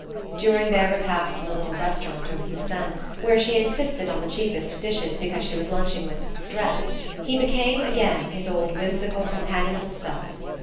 During their repast in a little restaurant over the Seine, where she insisted on the cheapest dishes because she was lunching with "Streff," he became again his old whimsical companionable self.